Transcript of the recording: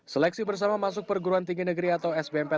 seleksi bersama masuk perguruan tinggi negeri atau sbmp